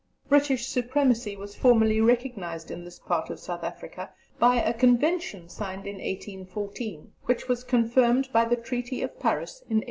British supremacy was formally recognized in this part of South Africa by a Convention signed in 1814, which was confirmed by the Treaty of Paris in 1815.